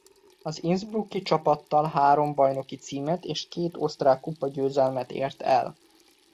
Az innsbrucki csapattal három bajnoki címet és két osztrák kupagyőzelmet ért el.